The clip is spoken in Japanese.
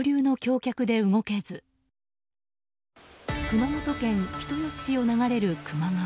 熊本県人吉市を流れる球磨川。